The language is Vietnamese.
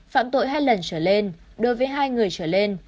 phạm tội hai lần trở lên đối với hai người trở lên